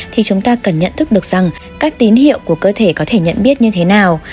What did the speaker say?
thì chúng ta cần nhận thức được rằng các tín hiệu của cơ thể có thể nhận biết như thế nào